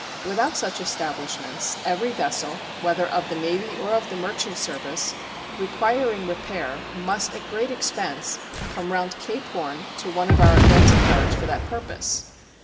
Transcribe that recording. Without such establishments every vessel, whether of the Navy or of the merchant service, requiring repair must at great expense come round Cape Horn to one of our Atlantic yards for that purpose.